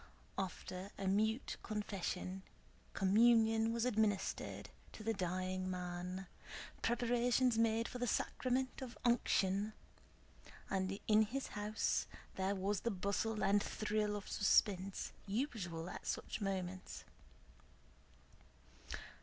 After a mute confession, communion was administered to the dying man, preparations made for the sacrament of unction, and in his house there was the bustle and thrill of suspense usual at such moments.